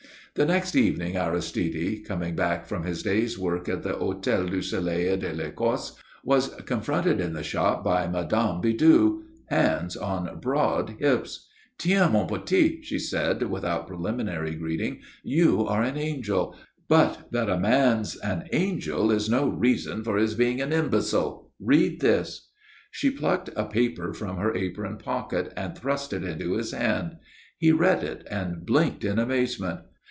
The next evening Aristide, coming back from his day's work at the Hôtel du Soleil et de l'Ecosse, was confronted in the shop by Mme. Bidoux, hands on broad hips. "Tiens, mon petit," she said, without preliminary greeting. "You are an angel. I knew it. But that a man's an angel is no reason for his being an imbecile. Read this." She plucked a paper from her apron pocket and thrust it into his hand. He read it, and blinked in amazement.